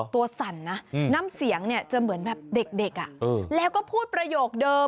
สั่นนะน้ำเสียงเนี่ยจะเหมือนแบบเด็กแล้วก็พูดประโยคเดิม